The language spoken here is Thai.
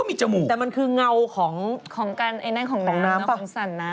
พี่เห็นยัง